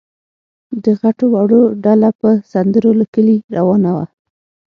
د غټو وړو ډله په سندرو له کلي روانه وه.